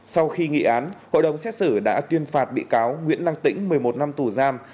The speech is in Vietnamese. sau khi nghị án hội đồng xét xử đã tuyên phạt bị cáo nguyễn lăng tĩnh một mươi một năm tù giam